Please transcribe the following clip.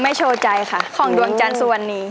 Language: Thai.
ไม่โชว์ใจค่ะของดวงจันทร์ส่วนนี้